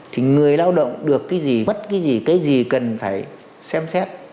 thì người lao động được cái gì bất cái gì cái gì cần phải xem xét